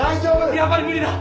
やっぱり無理だ！